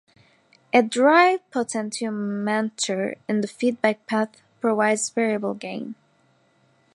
A "drive" potentiomenter in the feedback path provides variable gain.